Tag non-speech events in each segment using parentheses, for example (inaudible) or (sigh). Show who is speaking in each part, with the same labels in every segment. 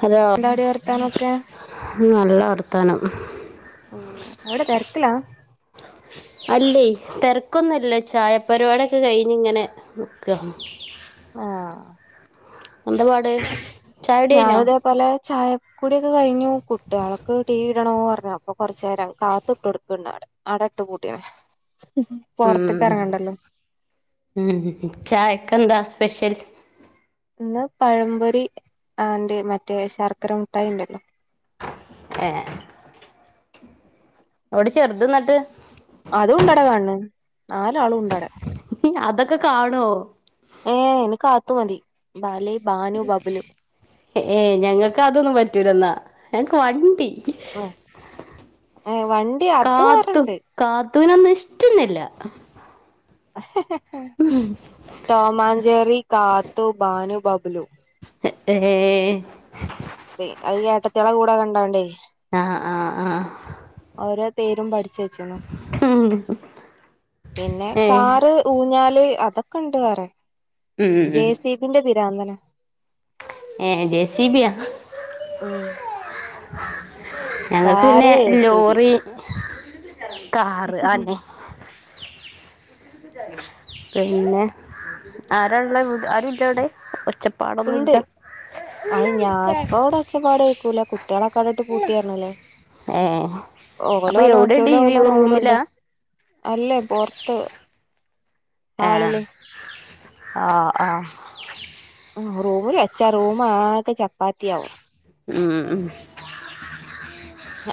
Speaker 1: Hello
Speaker 2: എന്താടി വർത്താനൊക്കെ
Speaker 1: ഉം നല്ല വർത്താനം
Speaker 2: ഉം അവ്ടെ തെര്ക്ക്ലാ
Speaker 1: അല്ലേയ് തരക്കൊന്നുല്ല ചായപ്പരിപാടി ക്കെ കഴിഞ് ഇങ്ങനെ നിക്കാ
Speaker 2: ആ
Speaker 1: എന്താ പാട് ചായകുടി കഴിഞ്ഞോ
Speaker 2: ഞാന് തേപോലെ ചായ കുടിയൊക്കെ കഴിഞ്ഞു കുട്ടിയാളൊക്കെ ടി വി ഇടണോർഞ്ഞു അപ് അപ്പൊ കൊർചേരം കാത്ത് ഇട്ട് കൊട്ക്ക്ണ്ട് അവ്ടെ ആടെ ഇട്ട് പൂട്ടിയതാ
Speaker 1: ഉം ഉം ചായക്ക് എന്താ സ്പെഷൽ
Speaker 2: ഇന്ന് പഴംപൊരി ആന്റെ മറ്റേ ശർക്കര മുഠായി ഉണ്ടല്ലോ
Speaker 1: ഏഹ് എവ്ടെ ചെർത് ന്ന്ട്ട്
Speaker 2: അതും ഉണ്ടട അവ്ടെ കാൺണ് നാലാളും ഉണ്ടടെ
Speaker 1: അതൊക്കെ കാണുവോ
Speaker 2: ഏ അയ്ന് കാത്തു മതി ബാലി ബാനു ബബുലു
Speaker 1: ഏയ് ഞങ്ങക്ക് അതൊന്നും പറ്റൂലെന്നാ ഞങ്ങക്ക് വണ്ടി
Speaker 2: ആ ഏ വണ്ടി അത് വേറെണ്ട്
Speaker 1: കാത്തുനെ ഒന്നും ഇഷ്ട്ടെന്നെല്ല ഉം
Speaker 2: ടോമാഞ്ചേറി കാത്തു ബാനു ബബ്ലു
Speaker 1: ഏഹ്
Speaker 2: ഏയ് അത് ഏട്ടത്യേളെ കൂടെ കണ്ടാണ്ടേയ്
Speaker 1: ആഹ് ആഹ് ആഹ്
Speaker 2: ഓരോ പേരും പഠിച്ച് വെച്ച്ണു
Speaker 1: ഉം
Speaker 2: പിന്നെ
Speaker 1: ഏ
Speaker 2: കാറ് ഊഞ്ഞാല് അതൊക്കെ ഉണ്ട് വേറെ
Speaker 1: ഉം
Speaker 2: ജെസിബിൻ്റെ പിരാന്തനാ
Speaker 1: ഏ ജെസിബിയാ
Speaker 2: ഉം
Speaker 1: ഞങ്ങക്ക് പിന്നെ
Speaker 2: car A C B
Speaker 1: lorry car അതെന്നേ പിന്നെ ആരാള്ളത് വീട് ആരുല്ലെ അവ്ടെ ഒച്ച പാടൊന്നും
Speaker 2: ഉണ്ട്
Speaker 1: ഇല്ല
Speaker 2: ഒച്ചപാട് കേക്കൂലേ? കുട്ടികളൊക്കെ അവിടെ ഇട്ട് പൂട്ടിയറ്ഞ്ഞില്ലേ.
Speaker 1: ഏ അപ്പൊ
Speaker 2: ഓലോ വലോ
Speaker 1: എവിടെ ടി
Speaker 2: മറ്റോലോ
Speaker 1: വി
Speaker 2: വല്ലോ റൂമിലുണ്ട്.
Speaker 1: റൂമിലാ
Speaker 2: അല്ല പൊറ്ത്ത് ഹാളില്
Speaker 1: ആഹ് ആഹ്
Speaker 2: റൂമില് വെച്ചാ റൂമ് ആകെ ചപ്പാത്തിയാവും.
Speaker 1: ആഹ്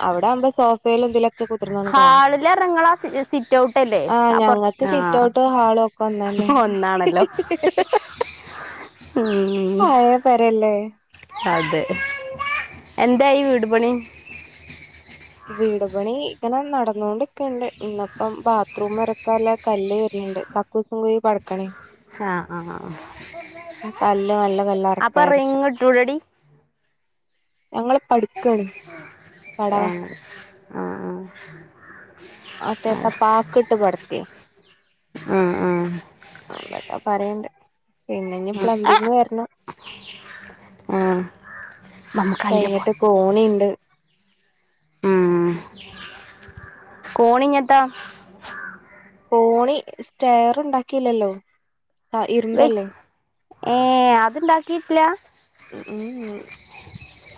Speaker 2: അവിടെ ആവുമ്പം സോഫയിലും ഇതിലൊ ഇജ് കുത്തർന്നാലും കാണും.
Speaker 1: ഹാളില് ഇറങ്ങളാ സിറ്റ് ഔട്ട് അല്ലേ
Speaker 2: ആഹ്
Speaker 1: അപ്പുറ
Speaker 2: ഞങ്ങക്ക്
Speaker 1: ആ
Speaker 2: സിറ്റ്ഔട്ടും ഹാളും വന്ന്അന്നേ
Speaker 1: ഒന്നാണല്ലോ ഉം
Speaker 2: പഴയ പെരയല്ലേ?
Speaker 1: അതെ എന്തായി വീട് പണി?
Speaker 2: വീട്പണി ഇങ്ങനെ നടന്നോണ്ടിക്ക്ണ്ട്. ഇന്ന്പ്പം ബാത്റൂം ഒരക്കാല്ലെ കല്ല് വരുന്നുണ്ട്. കക്കൂസും കുഴിയൊക്കെ അടക്കണേ.
Speaker 1: ആഹ് ആഹ്
Speaker 2: കല്ല് നല്ല കല്ല് ഇറക്കായിരിച്ച്.
Speaker 1: ഇട്ടൂടടി
Speaker 2: ഞങ്ങള് പടുക്കാണ്
Speaker 1: ഏ
Speaker 2: പടവാ
Speaker 1: ആ
Speaker 2: ഓന്റെ ഇപ്പപ്പാക്ക് ഇട്ട് പട്ത്തി.
Speaker 1: ആഹ് ആഹ്
Speaker 2: അങ്ങനെ പറയ്മ്പെ പിന്നെ ഇഞ്ഞ്
Speaker 1: ആ
Speaker 2: പ്ലംബിംഗ് വര്ണം.
Speaker 1: ആ ആ നമുക്ക് അയില പോവാ
Speaker 2: കഴിഞ്ഞിട്ട് കോണിയിണ്ട്
Speaker 1: കോണി ഇഞ്ഞെത്താ?
Speaker 2: കോണി സ്റ്റെയർ ഉണ്ടാക്കിയില്ലല്ലോ. ഇരുമ്പല്ലേ
Speaker 1: ഏഹ് അത് ഇണ്ടാക്കിയിട്ടില്ല.
Speaker 2: ഉം ഉം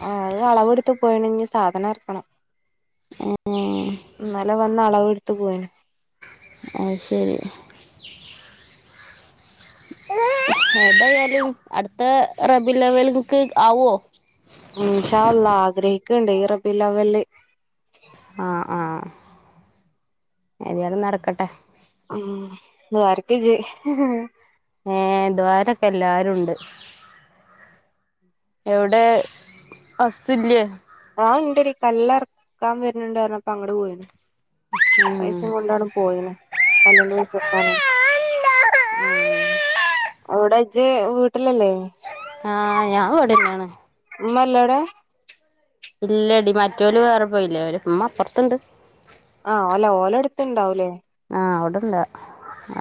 Speaker 2: ആ അത് അളവെടുത്ത് പോയിണ് ഇഞ്ഞ് സാധനം എറക്കണം. ഇന്നലെ വന്ന് അളവെടുത്ത് പോയിണ്.
Speaker 1: അയ് ശെരി ഏതായാലും അടുത്ത റബീഉൽ അവല്ക്ക് ആവോ?
Speaker 2: ഇന്ഷാ അല്ലാഹ് ആഗ്രഹിക്കിണ്ട് ഈ റബീ ഉൽ അവ്വല്.
Speaker 1: ആഹ് ആഹ് ഏതായാലും നടക്കട്ടെ.
Speaker 2: മ ദൂആര്ക് ഇജ്ജ്
Speaker 1: ഏഹ് ദുആഇലൊക്കെ എല്ലാരും ഉണ്ട്. എവിടെ ഹസ്സ് ഇല്ല്യേ?
Speaker 2: ആഹ് ഇണ്ടെടി കല്ല് അറക്കാൻ വര്ണ് ണ്ട് പറഞ്ഞപ്പൊ അങ്ങട്ട് പോയിക്ക്ണ്. പൈസിം കൊണ്ടാണ്ട് പോയിണ് കല്ലിന്റെ പൈസ കൊട്ക്കാനെ. എവിടെ ഇജ്ജ് വീട്ടിലല്ലേ?
Speaker 1: ആഹ് ഞാനിവിടെന്ന്യാണ്.
Speaker 2: മല്ലടാ?
Speaker 1: ഇല്ലെടി മറ്റോല് വേറെ പോയില്ലേ. ഓര് ഉമ്മ അപ്പറ്ത്തുണ്ട്.
Speaker 2: ആഹ് ഓലെ ഓലെട്ത്ത്ണ്ടാവൂലേ?
Speaker 1: ആഹ് അവിടെണ്ട്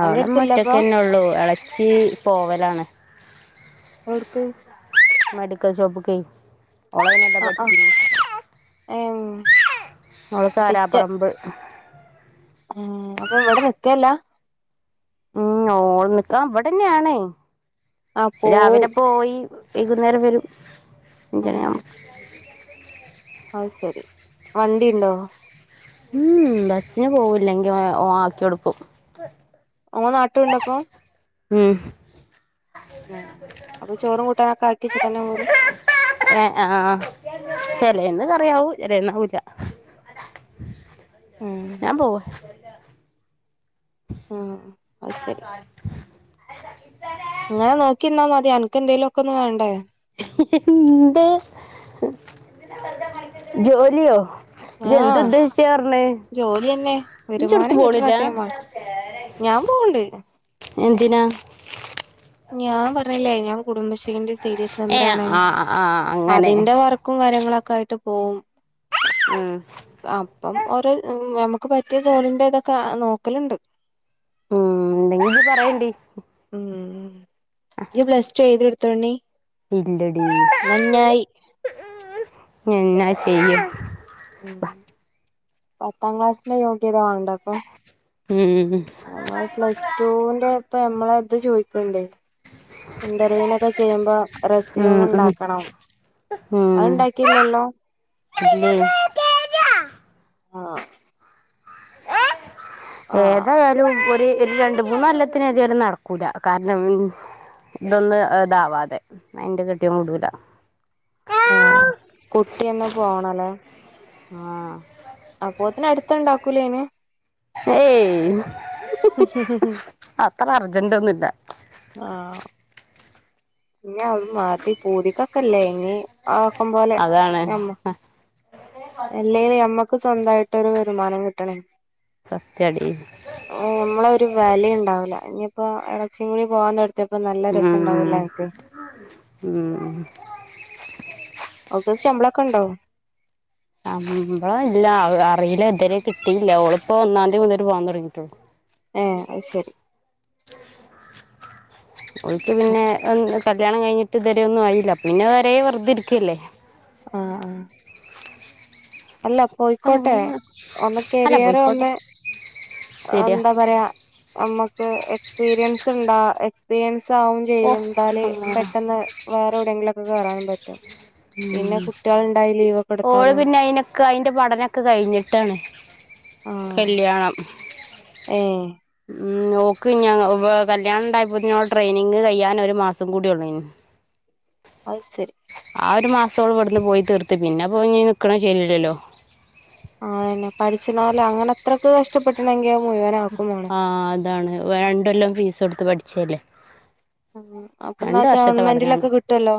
Speaker 1: അവിടെമ്മ
Speaker 2: അടുത്തില്ലപ്പൊ
Speaker 1: ഒറ്റക്കെന്നെ ഒള്ളൂ. എളച്ചി പോവലാണ്.
Speaker 2: ട്ക്ക്?
Speaker 1: മെഡിക്കൽ ശോപ്പ്കെ
Speaker 2: ആ ആ ഏ
Speaker 1: (inaudible) അവൾ കരാപ്പറമ്പ്.
Speaker 2: ഉം അപ്പൊ ഇവിടെ നിക്കല്ല
Speaker 1: ഉം ഓള് നിക്കാം ഇവിടെന്നെണ്
Speaker 2: ആ
Speaker 1: രാവിലെ
Speaker 2: പോവും
Speaker 1: പോയി വൈകുന്നേരം വരും അഞ്ജണി ആകുമ്പം
Speaker 2: അയ് സരി വണ്ടിണ്ടോ
Speaker 1: മം ബസ്സിന് പോകും ഇല്ലെങ്കിൽ ഓൻ ആക്കിക്കെടുക്കും
Speaker 2: ഓ നാട്ടുണ്ടപ്പൊ
Speaker 1: മം
Speaker 2: ആഹ് അപ്പൊ ചോറും കൂട്ടാനൊക്കെ ആക്കിചട്ടനെ പോ
Speaker 1: ആഹ് ചെലന്ന്ക്കറിയാവൂ ചിലന്നാവൂല്ല.
Speaker 2: ആ
Speaker 1: ഞാൻ പോവാ
Speaker 2: മം അഹ് ശരി ഇങ്ങനെ നോക്കിന്നാ മതിയോ അനക്ക്ന്തേങ്കലുക്കെന്ന് വേണ്ടേ
Speaker 1: എന്ത് ജോലിയോ ഇജ് എന്ത്
Speaker 2: ആഹ്
Speaker 1: ഉദ്ദേശിച്ച പറഞ്ഞെ
Speaker 2: ജോലിയന്നെ
Speaker 1: ഇജോടുക്ക്
Speaker 2: വരുമാനം കിട്ടണം
Speaker 1: പോണില്ലാ
Speaker 2: അത്രയും വേണം ഞാൻ പോവണ്ട്
Speaker 1: എന്തിനാ
Speaker 2: ഞാൻ പറഞ്ഞില്ലേ ഞാൻ കുടുംബശ്രീന്റെ സീരി എസ്
Speaker 1: ഏ
Speaker 2: മെമ്പറണ്
Speaker 1: ആ ആ അങ്ങനെ
Speaker 2: അതിന്റെ വർ ക്കും കാര്യങ്ങളൊക്കെയിട്ട് പോവും
Speaker 1: ഉം
Speaker 2: അപ്പം ഒര് നമ്മക്ക് പറ്റിയ സോണിന്റെ തക്കെ നോക്കലുണ്ട്
Speaker 1: മം ഇണ്ടങ്കി പറയണ്ടി
Speaker 2: ഉം ഇജ് പ്ലസ്റ്റ ടു ഏയ്തിടുത്തോണ്ണി
Speaker 1: ഇല്ലടി എന്നാ ചെയ്യാ
Speaker 2: പത്താം ക്ലാസ്സിന്റെ യോഗ്യത വാണ്ട അപ്പം
Speaker 1: ഉം
Speaker 2: നമ്മളെ പ്ലസ്ടുന്റെപം നമ്മളത് ചോയ്ക്ക്ണ്ടെ ഇന്റർവ്യൂനൊക്കെ ചെയ്യുമ്പോ റസീമ്
Speaker 1: ഉം ഉം
Speaker 2: ഉണ്ടാക്കണം
Speaker 1: ഉം
Speaker 2: അഹ്ണ്ടാക്കില്ലല്ലോ
Speaker 1: (unintelligible)
Speaker 2: ആഹ് ആഹ്
Speaker 1: ഏതായാലും (unintelligible) ഈ ഒരു രണ്ട് മൂന്നൊല്ലത്തിന് ഏതായാലും നടക്കൂല കാരണം മം ഇതൊന്ന് ഇതാവാതെ അയിന്റെ കെട്ടിയോൻ വിടൂല
Speaker 2: ആഹ് കുട്ടിയെന്ന് പോണൊലേ
Speaker 1: ആഹ്
Speaker 2: അപ്പോത്തിന് അടുത്ത ഉണ്ടാക്കൂ ലോന്
Speaker 1: ഏയ്
Speaker 2: ഉം ഹ് ഹ് ഹ്
Speaker 1: അത്ര അർജന്റ് ഒന്നും ഇല്ല
Speaker 2: ആഹ് ഇനി അത് മാതി പൂതിക്കൊക്കല്ലേ ഇനി ആക്കം പോലെ
Speaker 1: അതാണ്
Speaker 2: ഞമ്മ അല്ലേലും അമ്മക്ക് സ്വന്തയിട്ടൊരു വരുമാനം കിട്ടണേ
Speaker 1: സത്യാടി
Speaker 2: ആഹ് നമ്മളൊര് വാല്യുണ്ടാവൂല്ല ഇനിയിപ്പോ ഇളെച്ചികൂടെ പോവാ ത് പ്പംനല്ല രസം
Speaker 1: ഉം
Speaker 2: ഉണ്ടാവൂലെ അനക്ക്
Speaker 1: ഉം
Speaker 2: ഓക്ക്‌ ശമ്പളം ഒക്കെ ഉണ്ടോ
Speaker 1: ശമ്പളം ഇല്ല അറില്ല ഇതുവരെ കിട്ടിയില്ല, ഓളിപ്പൊ ഒന്നാം തീയതി മൊതല് പോവാൻ തൊടങ്ങിട്ടുള്ളൂ,
Speaker 2: ഏഹ്, അത്ശെരി
Speaker 1: (inaudible) ഓൽക്ക് പിന്നെ കല്യാണം കഴിഞ്ഞിട്ട് ഇതുവരെ ഒന്നും ആയില്ല പിന്നെ പെരേ വെറുതെ ഇരിക്കവല്ലേ,
Speaker 2: ആഹ് ആഹ്, അല്ല
Speaker 1: അപ്പ
Speaker 2: പോയിക്കോട്ടെ
Speaker 1: അങ്ങനെ
Speaker 2: അതാവുമ്പോ
Speaker 1: അല്ല
Speaker 2: കരിയറ്
Speaker 1: പോയിക്കോട്ടെ
Speaker 2: ഒന്ന്
Speaker 1: ശരിയാ
Speaker 2: എന്താ പറയ്ക നമ്മക്ക് എക്സ്പീരിയൻസ് ഉണ്ടാ എക്സ്പീരിയൻസ് ആവും
Speaker 1: ഓ
Speaker 2: ചെയ്യും എന്താല്
Speaker 1: ആഹ്
Speaker 2: പെട്ടെന്ന്- വേറെ എവിടെയെങ്കിലൊക്കെ കേറാനും പറ്റും പിന്നെ കുട്ടികൾ ഉണ്ടായാൽ ലീവൊക്കെടുത്താലും -
Speaker 1: ക്കെ അയ്ൻ്റെ പഠനൊക്കെ കഴിഞ്ഞിട്ടാണ് കല്യാണം.
Speaker 2: ഏയ്
Speaker 1: ഉം ഓക്ക് ഞ കല്യാണം ഉണ്ടായപ്പോത്തിന് ഓൾടെ ട്രെയിനിങ് കഴിയാൻ ഒരു മാസം കൂടിയെ ഉള്ളെന്
Speaker 2: അത് ശരി,
Speaker 1: ആ ഒരു മാസത്തോളം ഇവിടുന്ന് പോയി തീർത്ത് പിന്നെ പോയി നിൽക്കണെ ശരിയല്ലല്ലോ
Speaker 2: ആഹ് അത് തന്നെ പഠിച്ച്ന്നാലും അങ്ങനെ അത്രക്ക് ഇഷ്ടപ്പെട്ട്ണെങ്കോ
Speaker 1: ആഹ് അതാണ് വേണ്ടല്ലോ ഫീസ് കൊടുത്ത് പഠിച്ചയല്ലേ
Speaker 2: ആഹ് അപ്പൊ എന്നാ ഗവൺമെന്റിലൊക്കെ കിട്ടുവല്ലോ,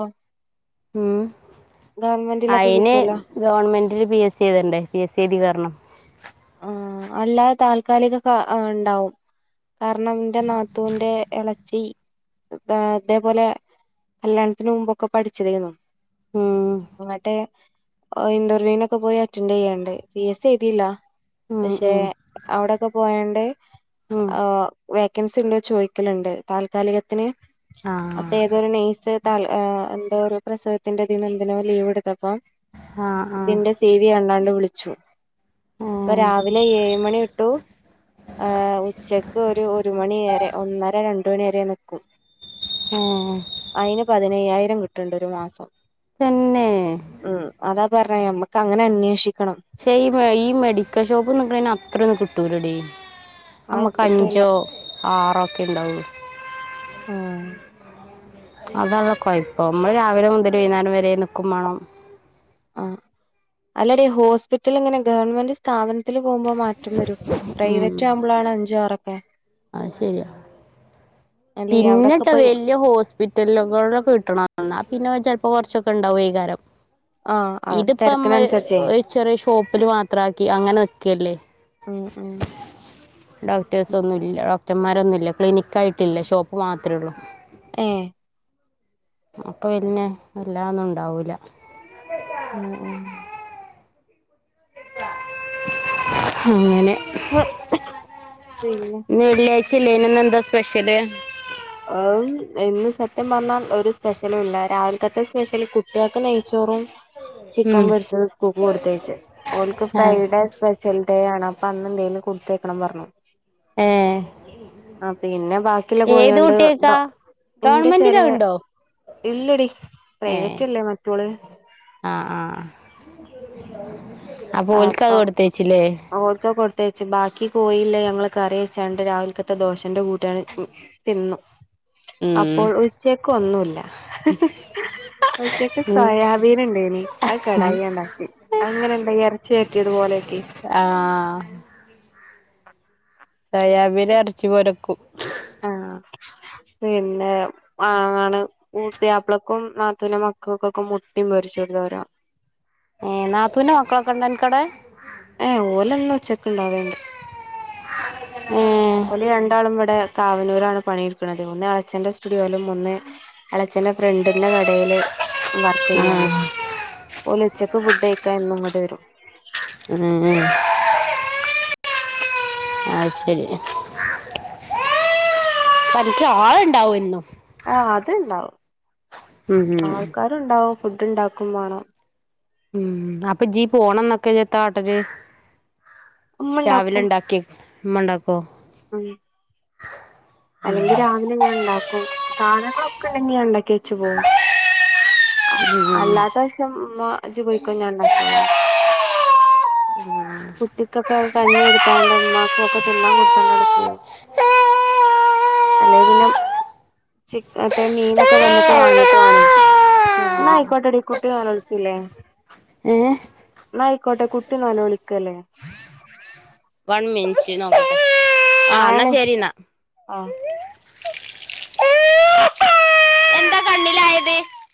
Speaker 1: ഉം
Speaker 2: ഗവൺമെന്റിലൊക്കെ കിട്ടൂവല്ലോ
Speaker 1: ഗവൺമെന്റിൽ പി എസ് സി എഴുതണ്ടേ പി എസ് സി എഴുതി കേറണം,
Speaker 2: ആഹ് അല്ലാതെ താൽക്കാലിക ഇണ്ടാവും കാരണം എന്റെ നാത്തുന്റെ ഇളച്ചി ഇതേപോലെ - കല്യാണത്തിന് മുമ്പൊക്കെ പഠിച്ചതായിരുന്നു
Speaker 1: ഉം
Speaker 2: എന്നിട്ട്- ഇന്റർവ്യൂനൊക്കെ പോയി അറ്റൻഡ് ചെയ്യണ്ട്‌ പി എസ് സി എഴുതില്ല
Speaker 1: ഉം
Speaker 2: പക്ഷെ
Speaker 1: ഉം
Speaker 2: അവിടൊക്കെ പോയോണ്ട്
Speaker 1: ഉം
Speaker 2: ആഹ് വേക്കൻസി ഉണ്ടോ ചോയ്ക്കലുണ്ട് താൽക്കാലികത്തിന്
Speaker 1: ആഹ്
Speaker 2: അപ്പൊ ഏതോരു നെഴ്സ് എന്തോ ഒരു പ്രസവത്തിന്റെ ഇതിന്ന് എന്തിനോ ലീവ് എടുത്തപ്പം-
Speaker 1: ആഹ് ആഹ്
Speaker 2: ഇതിന്റെ സി വി കണ്ടോണ്ട് വിളിച്ചു ഇപ്പൊ
Speaker 1: ഏഹ്
Speaker 2: രാവിലെ ഏഴ് മണി തൊട്ടു - ആഹ് ഉച്ചക്ക് ഒരു ഒരു മണി വരെ. ഒന്നര രണ്ട് മണി വരെ നിക്കും.
Speaker 1: ഉം
Speaker 2: അതിന് പതിനയ്യായിരം കിട്ടണുണ്ട് ഒരു മാസം
Speaker 1: തന്നെ
Speaker 2: ഉം അതാ പറഞ്ഞേ നമ്മക്ക് അങ്ങനെ അന്വേഷിക്കണം
Speaker 1: പക്ഷേ ഈ ഈ മെഡിക്കൽ ഷോപ്പ് നിക്കണെന് അത്ര ഒന്ന് കിട്ടൂലടി
Speaker 2: അത്
Speaker 1: നമ്മക്ക്
Speaker 2: കിട്ടൂല
Speaker 1: അഞ്ചോ ആറോ ഒക്കെ ഇണ്ടാവു
Speaker 2: ആഹ്
Speaker 1: അതാണല്ലോ കൊയപ്പം നമ്മള് രാവിലെ മുതല് വൈകുന്നരം വരെ നിക്കും വേണം
Speaker 2: ആഹ് അല്ലടി ഹോസ്പിറ്റൽ ഇങ്ങനെ ഗവൺമെന്റ് സ്ഥാപനത്തിൽ പോകുമ്പോ മാറ്റം വരും
Speaker 1: ഉം
Speaker 2: പ്രൈവറ്റ് ആവുമ്പോഴാണ് അഞ്ചു ആറോക്കെ
Speaker 1: അത് ശരിയാ
Speaker 2: അല്ലേ
Speaker 1: പിന്നെ
Speaker 2: അവിടൊക്കെ
Speaker 1: ട്ടോ
Speaker 2: പോയി
Speaker 1: വലിയ ഹോ പിറ്റലുകളിലൊക്കെ കിട്ടണം എന്നാ പിന്നെ ചെലപ്പോ കൊറച്ചൊക്കെ ഉണ്ടാവും വൈകുന്നേരം
Speaker 2: ആഹ് അത്
Speaker 1: ഇതിപ്പമ്മൾ
Speaker 2: തിരക്കിനനുസരിച്ചേ
Speaker 1: ഒരു ചെറിയ ഷോപ്പില് മാത്രാക്കി അങ്ങനെ നിക്കല്ലേ
Speaker 2: ഉം ഉം
Speaker 1: ഡോക്ടേഴസ്ന്നുല്ല ഡോക്ടർമാരൊന്നുല്ല ക്ലിനിക്കായിട്ടില്ല ഷോപ്പ് മാത്ര ഉള്ളു
Speaker 2: ഏഹ്
Speaker 1: അപ്പൊ പിന്നെ വല്ലാന്നും ഉണ്ടാവൂല
Speaker 2: ഉ ഉം
Speaker 1: അങ്ങനെ
Speaker 2: പിന്നെ
Speaker 1: ഇന്ന് വെള്ളിഴായ്ച അല്ലേനൊ ഇന്ന് എന്താ സ്പെഷ്യല്
Speaker 2: അഹ് ഇന്ന് സത്യം പറഞ്ഞാൽ ഒരു സ്പെഷ്യലും ഇല്ല രാവിലകത്തെ സ്പെഷ്യല് കുട്ട്യേക്ക് നെയ്ച്ചോറും
Speaker 1: (unintelligible)
Speaker 2: ചിക്കൻ പൊരിച്ചതും സ്കൂക്ക് കൊടുത്തേച്ച് ഓൽക്ക്
Speaker 1: ആ
Speaker 2: ഫ്രൈഡേ സ് സ്പെഷ്യൽ ഡേ ആണ് അപ്പൊ അന്ന് എന്തേലും കൊടുത്തേക്കണം പർഞ്
Speaker 1: ഏ
Speaker 2: ആഹ് പിന്നെ ബാക്കിയുള്ള കോഴിയോ
Speaker 1: ഏത് കുട്ടിയേക്കാ
Speaker 2: ഇന്റെ
Speaker 1: ഗവൺമെന്റിലാ
Speaker 2: ചെറിയ
Speaker 1: ഉണ്ടോ
Speaker 2: ഇല്ലടി പ്രവറ്റ് അല്ലെ മറ്റോള്
Speaker 1: ആഹ് ആഹ് ആഹ് അപ്പൊ ഒൽക്കത് കൊടുത്തേച്ചില്ലേ
Speaker 2: ഓൽക്കത് കൊട്തേച്ചി ബാക്കി കോഴില്ലെ ഞങ്ങള് കറിവെച്ചാണ്ട് രാവിൽക് ത്ത ദോഷന്റെ കൂടെ തിന്ന് അപ്പോ
Speaker 1: ഉം
Speaker 2: ഉച്ചക്ക് ഒന്നുല്ല ഉച്ചക്ക്
Speaker 1: ഉം
Speaker 2: സോയാബീന്ണ്ടേനി അഹ് കടായി അണ്ടാക്കി അങ്ങനെ ഇണ്ട് ഇറച്ചി വരറ്റിയതുപോലെയാക്കി
Speaker 1: ആഹ് സോയാബീന എറച്ചിപോലക്കും
Speaker 2: ആഹ് പിന്നെ ആണ് പിയാപ്ലക്കും നത്തൂന്റെ മക്കക്കൊക്കെ മുട്ടിം പൊരിച്ചടുത്തോരാ
Speaker 1: ഏഹ് നാത്തൂന്റെ മക്കളൊക്കെ ഇണ്ട അൻക്കടെ
Speaker 2: ഏഹ് ഓലഎന്നും ഉച്ചക്ക്‌ണ്ടാവണ്ട്
Speaker 1: ഏഹ്
Speaker 2: ഓല് രണ്ടാളും ഇവിടെ കാവനൂരാണ് പണിട്ക്കണത് ഒന്ന് എളച്ചന്റെ സ്റ്റുഡിയോലും ഒന്ന് എളച്ചന്റെ ഫ്രണ്ടിന്റെ കടേല് വർക്ക്യ്യാണ്
Speaker 1: ആഹ്
Speaker 2: ഓല് ഉച്ചയ്ക്ക് ഫുഡ് കയ്ക്കാൻ എന്നും ഇങ്ങട്ട് വെരും
Speaker 1: ഉം അഹ് ശരി അൻക്ക് ആളുണ്ടാവും എന്നു
Speaker 2: ആഹ് അത്ണ്ടാവും
Speaker 1: ഉം ഉം
Speaker 2: ആൾക്കാരുണ്ടാവും ഫുഡ് ഉണ്ടാക്കും വേണം
Speaker 1: ഉം അപ്പൊജീ പോണന്നൊക്കെ എത്താകാട്ടല്
Speaker 2: ഉമ്മ ഉണ്ടാക്കും
Speaker 1: രാവിലെണ്ടാക്കെ ഇമ്മണ്ടക്കും
Speaker 2: ഉം അല്ലെങ്കി രാവിലെ ഞാൻ ഇണ്ടാക്കും സാധനങ്ങളൊക്കെ ഇണ്ടെങ്കി ഞാൻ ഇണ്ടാക്കി വെച്ച് പോവും
Speaker 1: ഉം
Speaker 2: എല്ലാപ്രാവ്ശ്യം ഇമ്മ ഇജ് പൊയ്ക്കോ ഞാൻ ഇണ്ടാക്കിയോളാ പറിം
Speaker 1: പിന്നെ
Speaker 2: കുട്ടിക്കൊക്കെ കഞ്ഞി കൊടുത്താണ്ടും ഇമ്മാക്കൊക്കെ തിന്നാൻ കൊടുത്താണ്ടും ആണ്ട് പോവും അല്ലെ പിന്നെ ചി മറ്റേ മീനൊക്കെ വന്നിട്ട് വാങ്ങീട്ടുവാണെ ഇന്നാ അയ്ക്കോട്ടടി കുട്ടി നെലോൾക്കില്ലേ
Speaker 1: ഏഹ്
Speaker 2: ഇന്ന അയ്ക്കോട്ടെ കുട്ടി നെലോളിക്കല്ലേ
Speaker 1: വൺ മിൻട്ട് നോക്കട്ടെ ആഹ് ന്നാ ശരിന്നാ
Speaker 2: ആഹ്
Speaker 1: എന്താ കണ്ണിലായത്